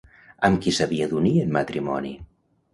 Amb qui s'havia d'unir en matrimoni?